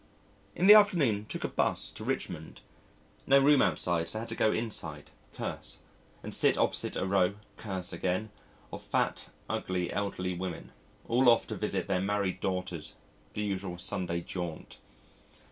In the afternoon, took a 'bus to Richmond. No room outside, so had to go inside curse and sit opposite a row curse again of fat, ugly, elderly women, all off to visit their married daughters, the usual Sunday jaunt.